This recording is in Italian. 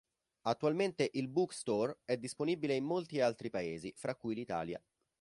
Attualmente, il Book Store è disponibile in molti altri paesi, fra cui l'Italia.